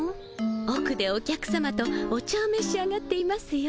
おくでお客さまとお茶をめし上がっていますよ。